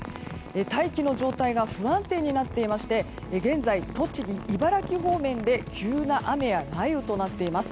大気の状態が不安定になっていまして現在、栃木・茨城方面で急な雨や雷雨となっています。